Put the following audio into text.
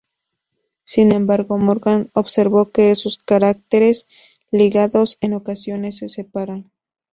Sin embargo, Morgan observó que esos caracteres "ligados" en ocasiones se separan.